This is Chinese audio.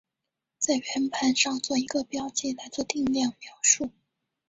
在圆盘上做一个标记来做定量描述。